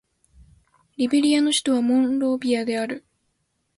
リベリアの首都はモンロビアである